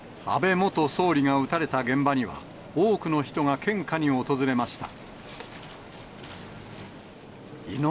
安倍元総理が撃たれた現場には、多くの人が献花に訪れました。